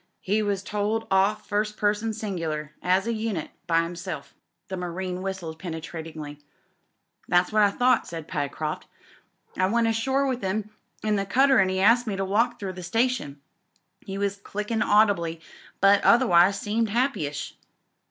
He was told off first person singular — as a unit — ^by himself." The marine whistled penetratingly. "That's what I thought," said Pyecroft. "I went ashore with him in th^ cutter an' 'e asked me to wi^ 334 TRAFFICS AND DISCOVERIES through the station. He was clickin' audibly, but otherwise seemed happy ish.